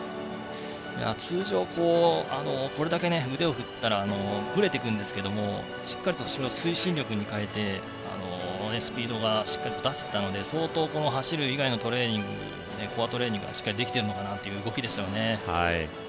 通常、これだけ腕を振ったらぶれていくんですけどしっかりとそれを推進力に変えてスピードがしっかり出せてたので相当、走る以外のトレーニングコアトレーニングができている動きでしたね。